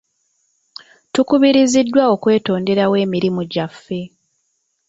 Tukubiriziddwa okwetonderawo emirimu gyaffe.